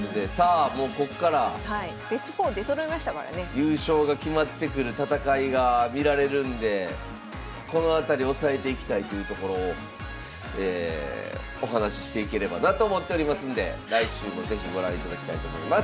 優勝が決まってくる戦いが見られるんでこの辺り押さえていきたいというところをお話ししていければなと思っておりますんで来週も是非ご覧いただきたいと思います。